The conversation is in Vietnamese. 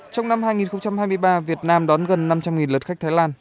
trong năm hai nghìn hai mươi ba việt nam đón gần năm trăm linh lượt khách thái lan